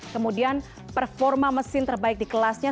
kemudian performa mesin terbaik di kelasnya